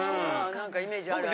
何かイメージあるある。